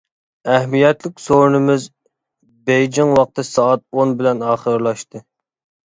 ئەھمىيەتلىك سورۇنىمىز بېيجىڭ ۋاقتى سائەت ئون بىلەن ئاخىرلاشتى.